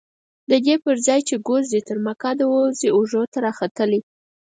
ددې پرځای چې ګوز دې تر مکعده ووځي اوږو ته راختلی.